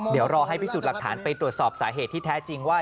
เดี๋ยวรอให้พิสูจน์หลักฐานไปตรวจสอบสาเหตุที่แท้จริงว่า